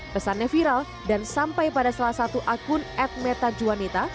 pesannya viral dan sampai pada salah satu akun admeta juanita